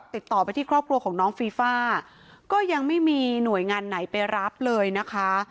ติดต่อไปที่ครอบครัวของน้องฟีฟ่าก็ยังไม่มีหน่วยงานไหนไปรับเลยนะคะ